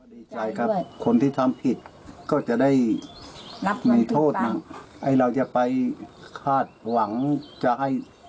ดีใจครับคนที่ทำผิดก็จะได้รับในโทษหนึ่งไอ้เราจะไปคาดหวังจะให้